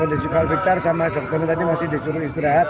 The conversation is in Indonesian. ya kalau di paulo victor sama dokternya tadi masih disuruh istirahat